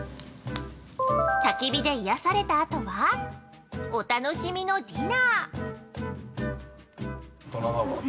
◆たき火でいやされた後は、お楽しみのディナー。